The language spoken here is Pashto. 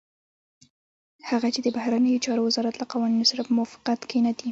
هغه چې د بهرنيو چارو وزارت له قوانينو سره په موافقت کې نه دي.